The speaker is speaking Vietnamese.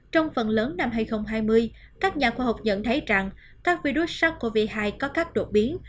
trong phần lớn năm hai nghìn hai mươi các nhà khoa học nhận thấy rằng các virus sars cov hai có các đột biến